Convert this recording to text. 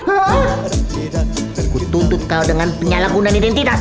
aku dituntut kau dengan penyalahgunaan identitas